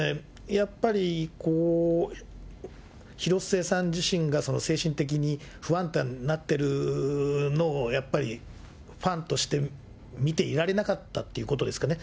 やっぱり、広末さん自身が精神的に不安定になってるのを、やっぱり、ファンとして見ていられなかったっていうことですかね。